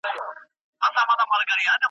د ملا انډیوالي تر شکرانې وي .